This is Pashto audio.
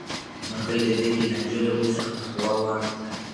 مرغۍ د دنګې ناجو له ونې څخه په هوا والوتې.